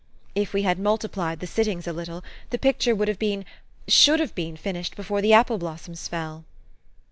If we had mul tiplied the sittings a little, the picture would have been should have been finished before the apple blossoms fell."